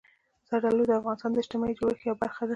زردالو د افغانستان د اجتماعي جوړښت یوه برخه ده.